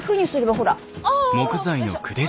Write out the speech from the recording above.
ほら。